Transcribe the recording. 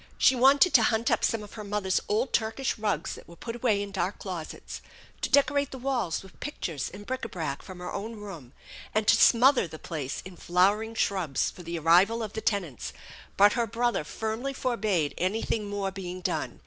She wanted to hunt up some of her mother's old Turkish rugs that were put away in dark closets, to decorate the walls with pictures and bric a brac from her own room, and to smother the place in flowering shrubs for the arrival of the tenants; but her brother firmly forbade anything more being done.